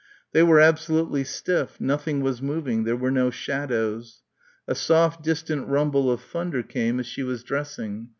They were absolutely stiff, nothing was moving, there were no shadows. A soft distant rumble of thunder came as she was dressing....